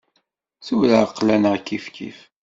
Tura aql-aneɣ kifkif.